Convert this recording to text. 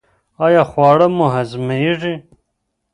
ایا خواړه مو هضمیږي؟